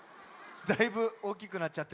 だいぶおおきくなっちゃってるから。